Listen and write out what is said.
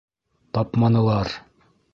Тапманылар!